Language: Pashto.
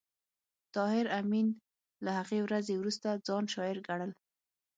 طاهر آمین له هغې ورځې وروسته ځان شاعر ګڼل